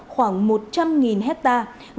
khoảng một trăm linh hectare